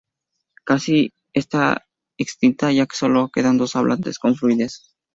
Está casi extinta, ya que hay sólo quedan dos hablantes con fluidez.